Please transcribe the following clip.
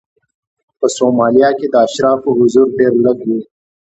په سومالیا کې د اشرافو حضور ډېر لږ و.